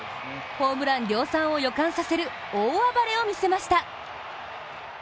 ホームラン量産を予感させる大暴れを見せました。